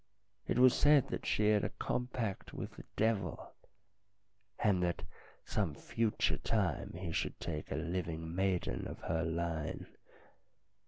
It was said that she had a compact with the devil ; that at some future time he should take a living maiden of her line.